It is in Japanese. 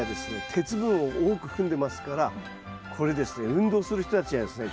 鉄分を多く含んでますからこれですね運動する人たちやですね